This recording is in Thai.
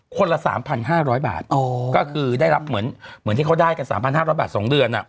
คนละ๓๕๐๐บาทก็คือได้รับเหมือนที่เขาได้กัน๓๕๐๐บาท๒เดือน